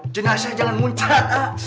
jenazah jangan muncat pak